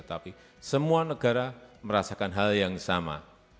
tapi semua negara merasakan hal yang sama